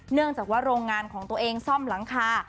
เนื่องจากว่าโรงงานของตัวเองซ่อมหลังคา